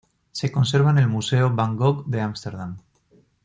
Se conserva en el Museo van Gogh de Ámsterdam.